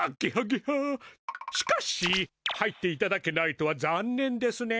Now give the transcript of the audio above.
しかし入っていただけないとはざんねんですね。